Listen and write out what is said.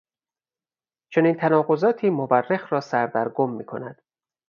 چنین تناقضاتی مورخ را سردرگم میکند.